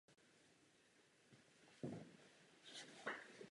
Bakalářské a navazující magisterské studium v prezenční i kombinované formě.